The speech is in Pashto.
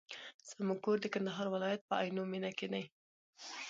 زموږ کور د کندهار ولایت په عينو مېنه کي دی.